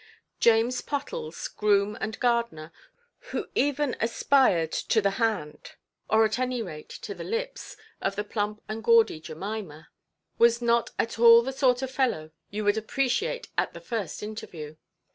James Pottles, groom and gardener, who even aspired to the hand, or at any rate, to the lips, of the plump and gaudy Jemima, was not at all the sort of fellow you would appreciate at the first interview.